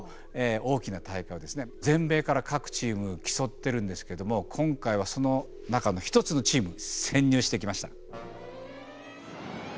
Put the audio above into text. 全米から各チーム競ってるんですけども今回はその中の一つのチームに潜入してきました。